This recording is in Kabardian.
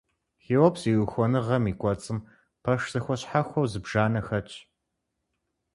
Хеопс и ухуэныгъэм и кӀуэцӀым пэш зэхуэщхьэхуэу зыбжанэ хэтщ.